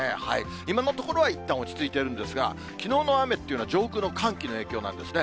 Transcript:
今のところはいったん落ち着いているんですが、きのうの雨っていうのは上空の寒気の影響なんですね。